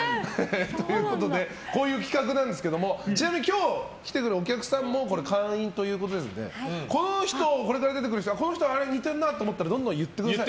こういう企画なんですが今日来てくれてるお客さんも会員ということですのでこれから出てくる人この人、似てるなと思ったらどんどん言ってください。